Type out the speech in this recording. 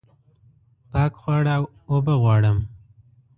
پاک خواړه اوبه غواړم